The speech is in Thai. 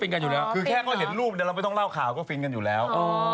กันอยู่แล้วคือแค่เขาเห็นรูปเนี่ยเราไม่ต้องเล่าข่าวก็ฟินกันอยู่แล้ว